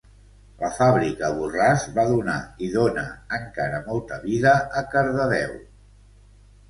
La fàbrica Borràs va donar i dóna encara molta vida a Cardedeu.